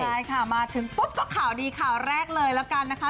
ใช่ค่ะมาถึงปุ๊บก็ข่าวดีข่าวแรกเลยแล้วกันนะคะ